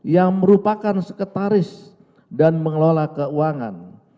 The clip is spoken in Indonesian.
yang merupakan sekretaris dan mengelola keuangan